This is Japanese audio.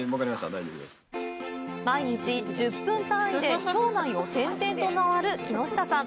大丈夫です毎日１０分単位で町内を転々と回る木下さん